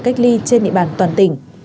cách ly trên địa bàn toàn tỉnh